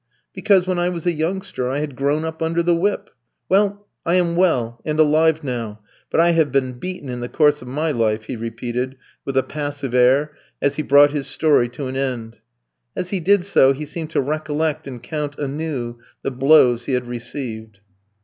Because, when I was a youngster, I had grown up under the whip. Well, I am well, and alive now; but I have been beaten in the course of my life," he repeated, with a passive air, as he brought his story to an end. As he did so, he seemed to recollect and count anew the blows he had received.